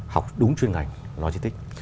học đúng chuyên ngành logistics